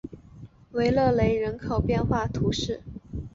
维勒雷人口变化图示